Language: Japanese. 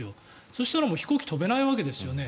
そしたら飛行機飛べないわけですよね。